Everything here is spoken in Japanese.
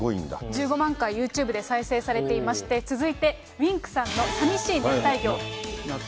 １５万回ユーチューブで再生されていまして、続いてＷｉｎｋさんの淋しい熱帯魚。